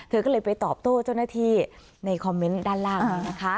เธอก็เลยไปตอบโต้เจ้าหน้าที่ในคอมเมนต์ด้านล่างนี้นะคะ